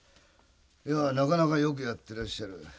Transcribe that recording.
いやなかなかよくやってらっしゃる。